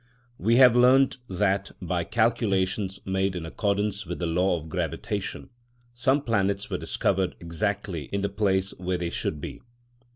We have learnt that, by calculations made in accordance with the law of gravitation, some planets were discovered exactly in the place where they should be.